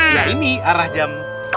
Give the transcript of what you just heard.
ya ini arah jam